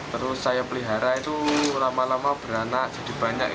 terus saya pelihara itu lama lama beranak jadi banyak